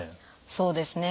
そうですね。